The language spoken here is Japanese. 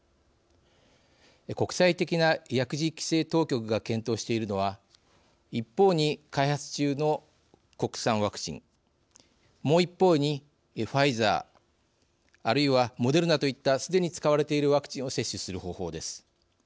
国際的な薬事規制当局が検討しているのは一方に開発中の国産ワクチンもう一方に、ファイザーあるいはモデルナといったすでに使われているワクチンを接種する方法です。